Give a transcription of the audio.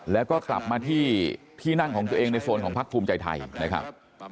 แล้วก็กลับมาที่ที่นั่งของตัวเองในโซนของพักภูมิใจไทยนะครับ